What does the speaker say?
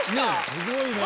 すごいね。